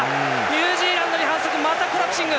ニュージーランドに反則またコラプシング。